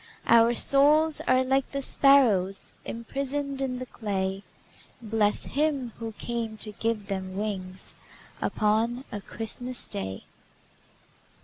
Our souls are like the sparrows Imprisoned in the clay, Bless Him who came to give them wings Upon a Christmas Day!